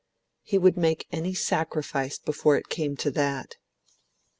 He would make any sacrifice before it came to that.